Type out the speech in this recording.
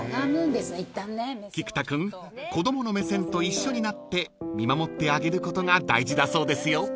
［菊田君子供の目線と一緒になって見守ってあげることが大事だそうですよ］